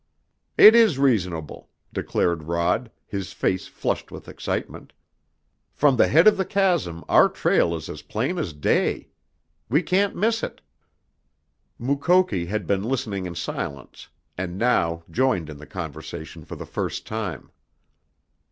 "It is reasonable," declared Rod, his face flushed with excitement. "From the head of the chasm our trail is as plain as day. We can't miss it!" Mukoki had been listening in silence, and now joined in the conversation for the first time.